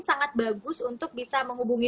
sangat bagus untuk bisa menghubungi